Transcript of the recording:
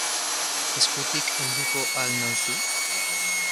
Eskutik helduko al nauzu?